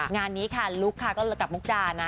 งานนี้ค่ะลุคค่ะก็กับมุกดานะ